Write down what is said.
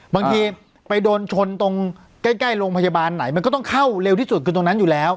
บางทีไปโดนชนตรงใกล้โรงพยาบาลไหนมันก็ต้องเข้าเร็วที่สุดคือตรงนั้นอยู่แล้ว